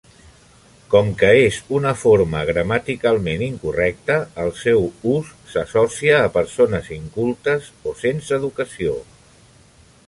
Com que és una forma gramaticalment incorrecta, el seu ús s'associa a persones incultes o sense educació.